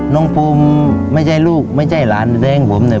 น้องภูมิไม่ใช่ลูกไม่ใช่หลานแดงผมเนี่ย